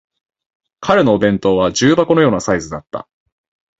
彼のお弁当は重箱のようなサイズだった